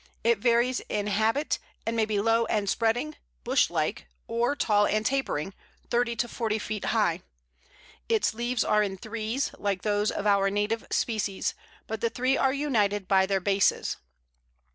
It varies in habit, and may be low and spreading, bush like, or tall and tapering, thirty to forty feet high. Its leaves are in threes, like those of our native species, but the three are united by their bases.